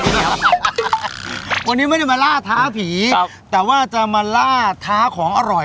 วันนี้ไม่ได้มาล่าท้าผีครับแต่ว่าจะมาล่าท้าของอร่อย